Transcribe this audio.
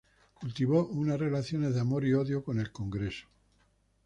Cultivó unas relaciones de amor y odio con el Congreso.